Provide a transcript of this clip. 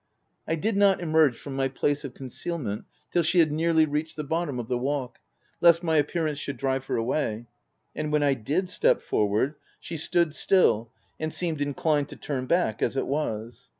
I did not emerge from my place of concealment, till she had nearly reached the bottom of the wait, OF WILDFELL HALL. 167 lest my appearance should drive her away ; and when I did step forward, she stood still and seemed inclined to turn back as it was.